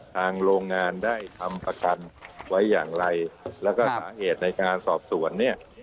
โรงงานได้ทำประกันไว้อย่างไรแล้วก็สาเหตุในการสอบสวนเนี่ย